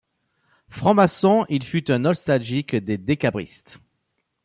Franc-maçon, il fut un nostalgique des décabristes.